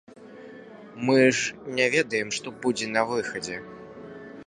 Мы ж не ведаем, што будзе на выхадзе.